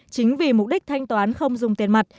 chính vì mục đích thanh toán không dùng tiền mặt